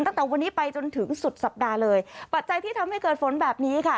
ตั้งแต่วันนี้ไปจนถึงสุดสัปดาห์เลยปัจจัยที่ทำให้เกิดฝนแบบนี้ค่ะ